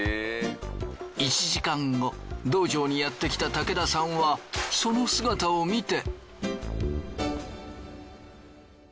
１時間後道場にやってきた武田さんはその姿を見て。